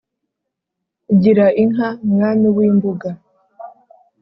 Gira inka Mwami w' imbuga